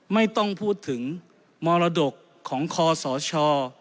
ไม่ต้องพูดถึงมรดกของคอสช